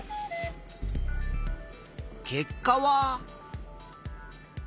結果は。